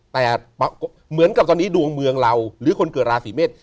แต่เหมือนกับตอนนี้ดวงเมืองเราหรือคนเกิดราศีเมษ